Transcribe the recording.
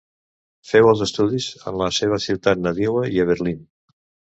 Feu els estudis en la seva ciutat nadiua i a Berlín.